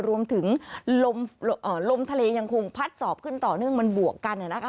รวมถึงลมทะเลยังคงพัดสอบขึ้นต่อเนื่องมันบวกกันนะคะ